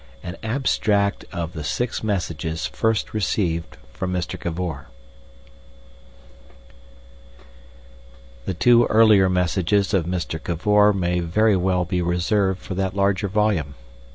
An Abstract of the Six Messages First Received from Mr. Cavor The two earlier messages of Mr. Cavor may very well be reserved for that larger volume.